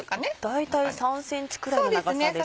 大体３ｃｍくらいの長さですかね。